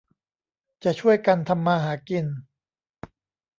จะช่วยกันทำมาหากิน